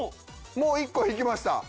もう１個いきました。